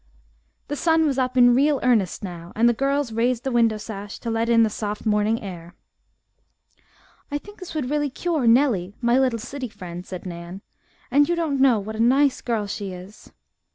The sun was up in real earnest now, and the girls raised the window sash to let in the soft morning air. "I think this would really cure Nellie, my little city friend," said Nan, "and you don't know what a nice girl she is."